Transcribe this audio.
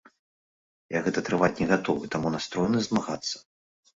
Я гэта трываць не гатовы, таму настроены змагацца.